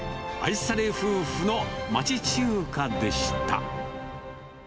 愛され夫婦の町中華でした。